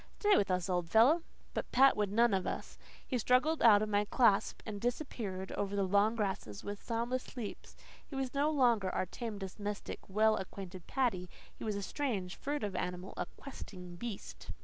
"Stay with us, old fellow." But Pat would none of us. He struggled out of my clasp and disappeared over the long grasses with soundless leaps. He was no longer our tame, domestic, well acquainted Paddy. He was a strange, furtive animal a "questing beast."